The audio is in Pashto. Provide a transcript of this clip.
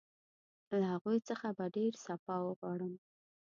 له هغوی څخه به ډېر سپاه وغواړم.